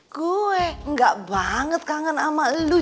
gue gak banget kangen sama lu